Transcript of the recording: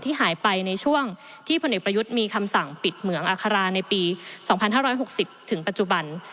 หายไปในช่วงที่พลเอกประยุทธ์มีคำสั่งปิดเหมืองอาคาราในปี๒๕๖๐ถึงปัจจุบัน